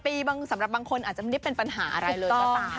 ๗ปีสำหรับบางคนอาจจะไม่ได้เป็นปัญหาอะไรเลย